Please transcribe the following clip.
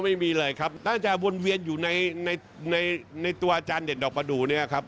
โอ้ไม่มีเลยครับน่าจะวนเวียนอยู่ในตัวอาจารย์เด่นดอกประดูก